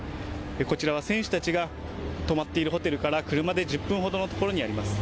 こちらは選手たちが泊まっているホテルから車で１０分ほどの所にあります。